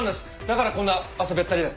だからこんな汗べったりで。